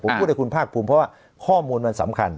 ผมพูดให้คุณภาคภูมิเพราะว่าข้อมูลมันสำคัญ